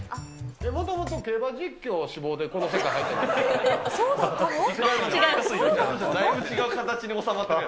もともと競馬実況志望でこの世界入ったんじゃ？